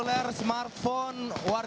selamat tahun baru